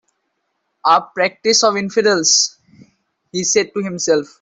"A practice of infidels," he said to himself.